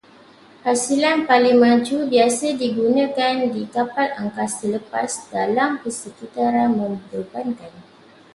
Hasilan paling maju biasa digunakan di kapal angkasa lepas dalam persekitaran membebankan